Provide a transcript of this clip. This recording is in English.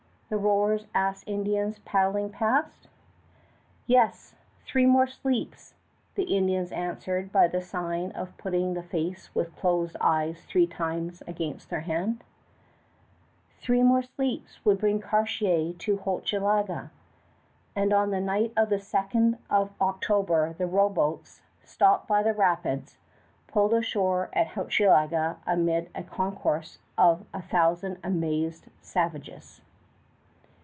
the rowers asked Indians paddling past. "Yes, three more sleeps," the Indians answered by the sign of putting the face with closed eyes three times against their hand; "three more nights would bring Cartier to Hochelaga"; and on the night of the 2d of October the rowboats, stopped by the rapids, pulled ashore at Hochelaga amid a concourse of a thousand amazed savages.